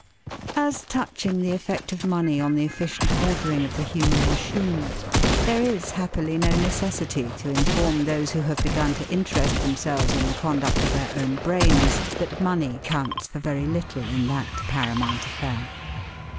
As touching the effect of money on the efficient ordering of the human machine, there is happily no necessity to inform those who have begun to interest themselves in the conduct of their own brains that money counts for very little in that paramount affair.